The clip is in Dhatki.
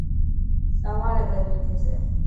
سواري گرمي ٿيسي.